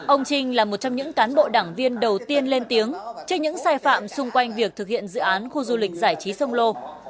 ông trinh là một trong những cán bộ đảng viên đầu tiên lên tiếng trước những sai phạm xung quanh việc thực hiện dự án khu du lịch giải trí sông lô